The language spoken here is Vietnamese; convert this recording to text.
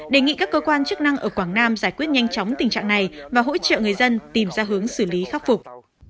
đề nghị các cơ quan chức năng ở quảng nam giải quyết nhanh chóng tình trạng này và hỗ trợ người dân tìm ra hướng xử lý khắc phục